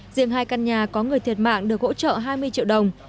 riêng hai căn nhà có người thiệt mạng được hỗ trợ hai mươi triệu đồng